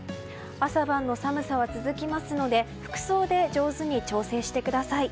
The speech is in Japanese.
朝晩の寒さは続きますので服装で上手に調整してください。